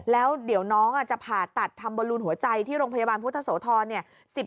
แล้วเดี๋ยวน้องจะผ่าตัดทำบอลลูนหัวใจที่โรงพยาบาลพุทธโสธรเนี่ย